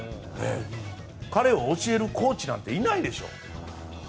彼を教えられるコーチなんていないでしょう。